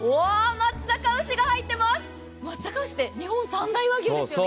松阪牛って日本三大和牛ですよね。